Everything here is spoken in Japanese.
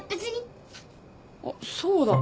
あっそうだ。